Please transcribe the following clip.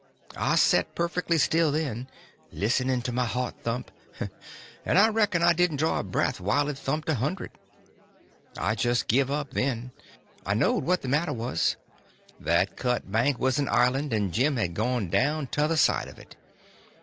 I set perfectly still then, listening to my heart thump, and I reckon I didn't draw a breath while it thumped a hundred. I just give up then. I knowed what the matter was. That cut bank was an island, and Jim had gone down t'other side of it.